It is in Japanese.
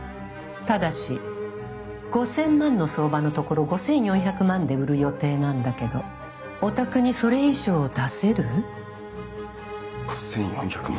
ただし５，０００万の相場のところ５，４００万で売る予定なんだけどおたくにそれ以上出せる？５，４００万！？